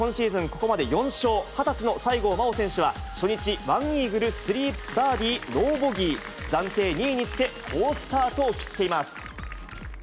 ここまで４勝、２０歳の西郷真央選手は、初日、１イーグル、３バーディー、ノーボギー。暫定２位につけ、好スタートを切っています。